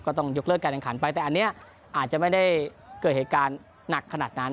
ต้องยกเลิกการแข่งขันไปแต่อันนี้อาจจะไม่ได้เกิดเหตุการณ์หนักขนาดนั้น